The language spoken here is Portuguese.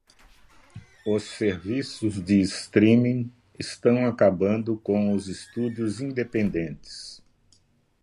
Os serviços de streaming estão acabando com os estúdios independentes.